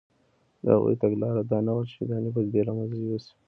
د هغوی تګلاره دا نه وه چې شیطانې پدیدې له منځه یوسي